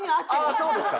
ああそうですか。